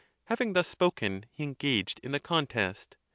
Having thus spoken, he engaged in the contest.